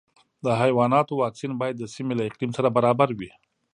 د حیواناتو واکسین باید د سیمې له اقلیم سره برابر وي.